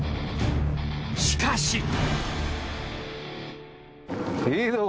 しかし。